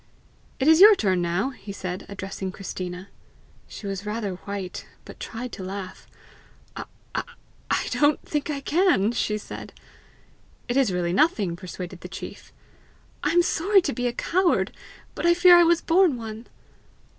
"It is your turn now," he said, addressing Christina. She was rather white, but tried to laugh. "I I I don't think I can!" she said. "It is really nothing," persuaded the chief. "I am sorry to be a coward, but I fear I was born one."